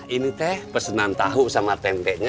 ini teh pesenan tahu sama tempenya